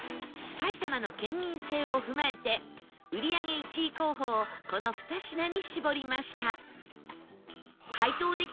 埼玉の県民性を踏まえて売り上げ１位候補をこの２品に絞りました